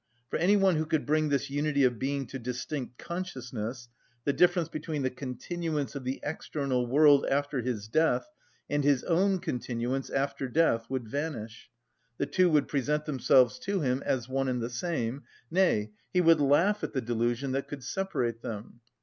For any one who could bring this unity of being to distinct consciousness, the difference between the continuance of the external world after his death and his own continuance after death would vanish. The two would present themselves to him as one and the same; nay, he would laugh at the delusion that could separate them.